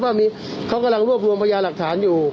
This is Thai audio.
ว่าเขากำลังรวบรวมพยาหลักฐานอยู่